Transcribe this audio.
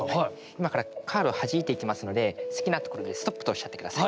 今からカードをはじいていきますので好きなところで「ストップ」とおっしゃって下さい。